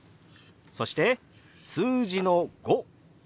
そして数字の「５」。